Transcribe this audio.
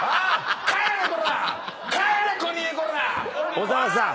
小澤さん。